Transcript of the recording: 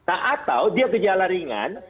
atau dia kejala ringan